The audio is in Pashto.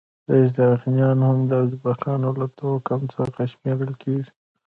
استرخانیان هم د ازبکانو له توکم څخه شمیرل کیږي.